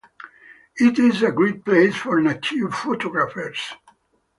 It is a great place for nature photographers.